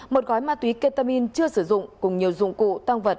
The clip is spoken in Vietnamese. một gói ma túy ketamin chưa sử dụng cùng nhiều dụng cụ tăng vật